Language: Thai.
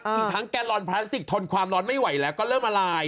อีกทั้งแกนลอนพลาสติกทนความร้อนไม่ไหวแล้วก็เริ่มละลาย